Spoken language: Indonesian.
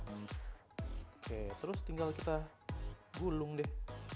oke terus tinggal kita gulung deh